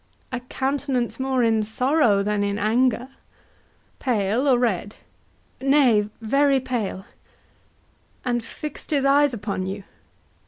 A countenance more in sorrow than in anger. HAMLET. Pale, or red? HORATIO. Nay, very pale. HAMLET. And fix'd his eyes upon you?